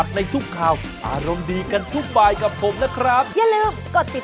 สวัสดีครับ